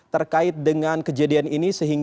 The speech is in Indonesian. terkait dengan kejadian lalu lintas di sana